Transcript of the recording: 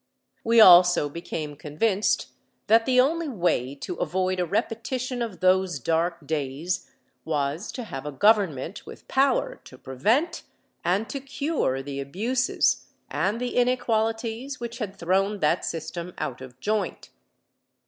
We also became convinced that the only way to avoid a repetition of those dark days was to have a government with power to prevent and to cure the abuses and the inequalities which had thrown that system out of joint.